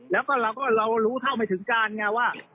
แล้วก็เราก็เรารู้เท่าไม่ถึงการไงว่า